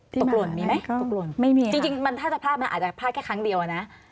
ตกโหลนมีไหมไม่มีค่ะจริงมันถ้าจะพลาดมันอาจจะพลาดแค่ครั้งเดียวนะ